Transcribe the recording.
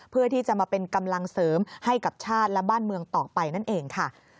เพื่อที่จะมาเป็นกำลังเสริมให้กับชาติและบ้านเมืองต่อไปนั่นเองค่ะ